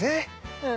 うん。